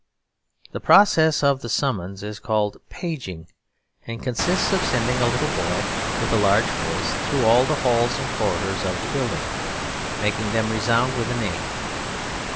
The process of the summons is called 'paging,' and consists of sending a little boy with a large voice through all the halls and corridors of the building, making them resound with a name.